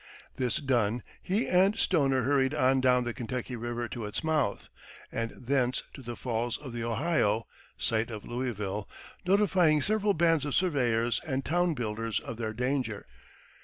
This done, he and Stoner hurried on down the Kentucky River to its mouth, and thence to the Falls of the Ohio (site of Louisville), notifying several bands of surveyors and town builders of their danger.